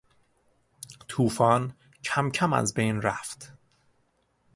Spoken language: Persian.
توفان کمکم از بین رفت.